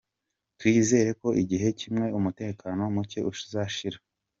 Twizera ko igihe kimwe umutekano muke uzashira.